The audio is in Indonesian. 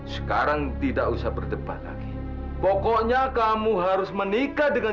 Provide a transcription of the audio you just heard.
sekarang tidak usah berdebat lagi pokoknya kamu harus menikah dengan